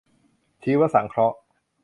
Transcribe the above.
ชีวสังเคราะห์